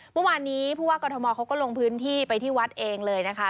เมื่อวานนี้ผู้ว่ากรทมเขาก็ลงพื้นที่ไปที่วัดเองเลยนะคะ